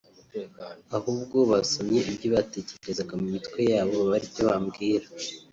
ahubwo basomye ibyo batekerezaga mu mitwe yabo baba ari byo bambwira